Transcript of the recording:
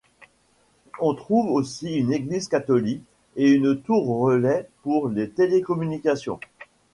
On trouve aussi une église catholique, et une tour-relais pour les télécommunications.